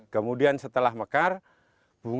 kemudian setelah mekar dia akan menambah kembang